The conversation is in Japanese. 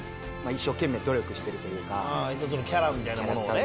１つのキャラみたいなものをね。